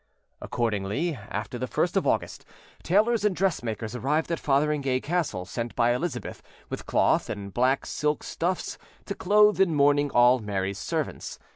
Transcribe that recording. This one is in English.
Accordingly, after the 1st of August, tailors and dressmakers arrived at Fotheringay Castle, sent by Elizabeth, with cloth and black silk stuffs, to clothe in mourning all Mary's servants.